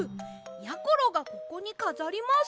やころがここにかざります。